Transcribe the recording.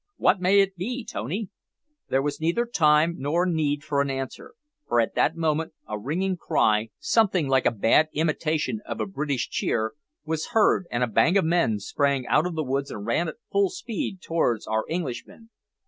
"Wot may it be, Tony?" asked Disco. There was neither time nor need for an answer, for at that moment a ringing cry, something like a bad imitation of a British cheer, was heard, and a band of men sprang out of the woods and ran at full speed towards our Englishmen.